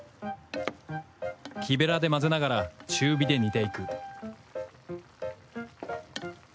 木べらで混ぜながら中火で煮ていく